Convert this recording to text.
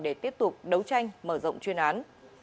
để tiếp tục đấu tranh mở rộng chuyên án